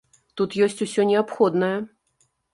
Тут ёсць усё неабходнае.